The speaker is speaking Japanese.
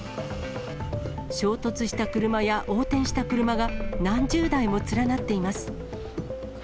衝突した車や横転した車が何十台も連なっています。